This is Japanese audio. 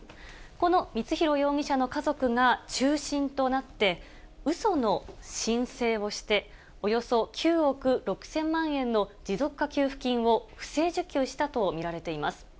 この光弘容疑者の家族が中心となって、うその申請をして、およそ９億６０００万円の持続化給付金を不正受給したと見られています。